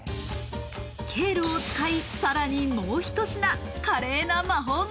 ケールを使い、さらにもうひと品、華麗な魔法が。